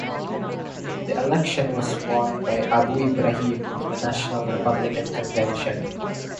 The election was won by Abu Ibrahim of the National Republican Convention.